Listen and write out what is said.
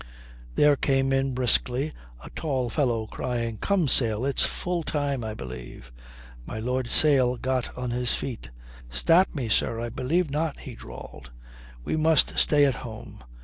There came in briskly a tall fellow crying: "Come, Sale, it's full time, I believe." My Lord Sale got on his feet, "Stap me, sir, I believe not," he drawled. "We must stay at home.